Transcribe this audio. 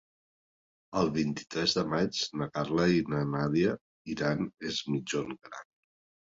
El vint-i-tres de maig na Carla i na Nàdia iran a Es Migjorn Gran.